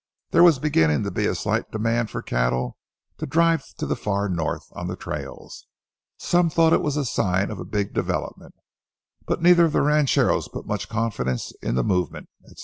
There was beginning to be a slight demand for cattle to drive to the far north on the trails, some thought it was the sign of a big development, but neither of the rancheros put much confidence in the movement, etc.